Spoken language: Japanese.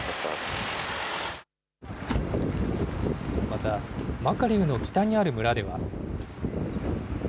また、マカリウの北にある村では。